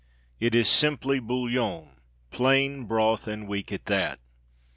It is simply bouillon, plain broth, and weak at that.